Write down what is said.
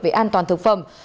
về an toàn thực phẩm